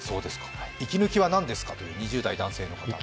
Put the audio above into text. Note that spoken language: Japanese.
息抜きは何ですかという２０代男性の方から。